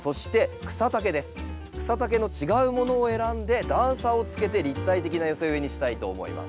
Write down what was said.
草丈の違うものを選んで段差をつけて立体的な寄せ植えにしたいと思います。